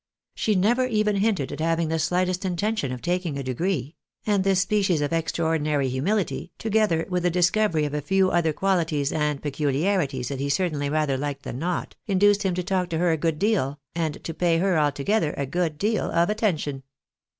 She never even hinted at having the slightest intention of taking a degree ; and this species of extraordinary humility, together with the discovery of a few other quahties and peculiarities that he certainly rather liked than not, induced him to talk to her a good deal, and to pay her altogether a good deal of attention.